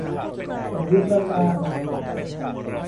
หรือประมาณ